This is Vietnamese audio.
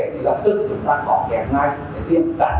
thì lập tức chúng ta bỏ kẹt ngay để tiến tạng